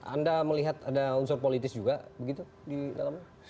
anda melihat ada unsur politis juga begitu di dalamnya